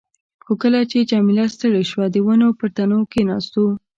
خو کله چې جميله ستړې شوه، د ونو پر تنو کښېناستو.